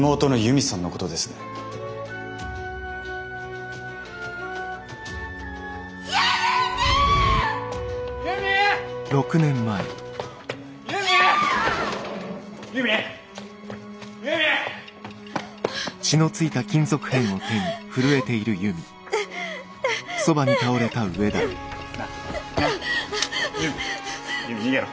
悠美逃げろ。